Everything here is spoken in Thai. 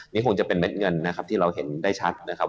นี่คงจะเป็นเด็ดเงินนะครับที่เราเห็นได้ชัดนะครับ